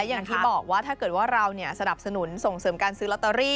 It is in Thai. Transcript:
อย่างที่บอกว่าถ้าเกิดว่าเราสนับสนุนส่งเสริมการซื้อลอตเตอรี่